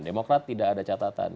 demokrat tidak ada catatan